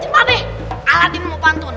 jin pakdeh aladin mau bantuin